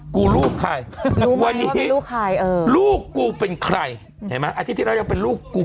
กูลูกใครวันนี้ลูกกูเป็นใครเห็นไหมอาทิตย์ที่แล้วยังเป็นลูกกู